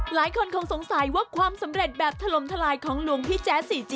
หลายคนคงสงสัยว่าความสำเร็จแบบถล่มทลายของหลวงพี่แจ๊ส๔๗